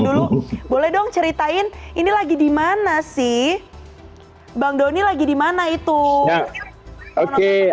dulu boleh dong ceritain ini lagi di mana sih bang doni lagi di mana itu